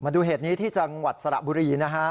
ดูเหตุนี้ที่จังหวัดสระบุรีนะฮะ